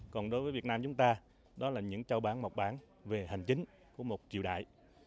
còn đối với việt nam chúng ta đó là những châu bản mộc bản về hành chính của một triều đại